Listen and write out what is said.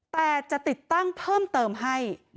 แต่จะติดตั้งเพิ่มเติมให้